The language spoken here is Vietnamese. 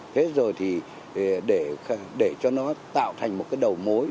thế rồi để cho nó tạo thành một đầu mối